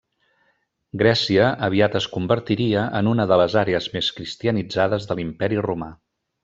Grècia aviat es convertiria en una de les àrees més cristianitzades de l'imperi romà.